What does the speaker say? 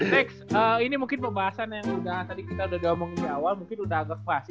next ini mungkin pembahasan yang udah tadi kita udah omongin di awal mungkin udah agak pas